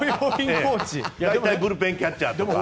大体ブルペンキャッチャーとか。